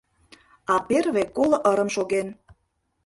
А перве коло ырым шоген.